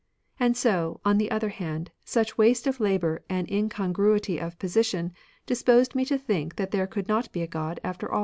And so, on the other hand, such waste of labour and incongruity of position disposed me to think that there could not be a God after aU.